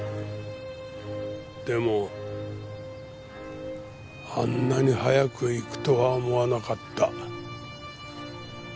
でもあんなに早く逝くとは思わなかった。